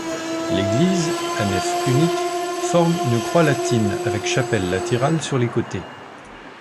L'église, à nef unique, forme une croix latine avec chapelles latérales sur les côtés.